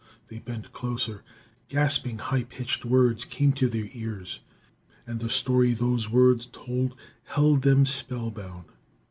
They bent closer. Gasping, high pitched words came to their ears, and the story that those words told held them spellbound.